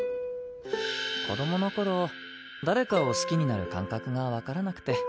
子供の頃誰かを好きになる感覚がわからなくて。